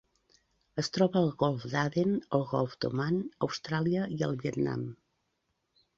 Es troba al Golf d'Aden, el Golf d'Oman, Austràlia i el Vietnam.